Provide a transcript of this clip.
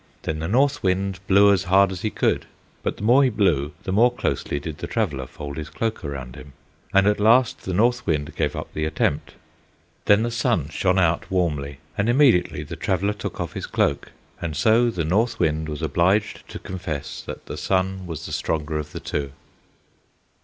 Then the North Wind blew as hard as he could, but the more he blew the more closely did the traveler fold his cloak around him; and at last the North Wind gave up the attempt. Then the Sun shined out warmly, and immediately the traveler took off his cloak. And so the North Wind was obliged to confess that the Sun was the stronger of the two.